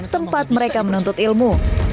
tempat mereka menuntut ilmu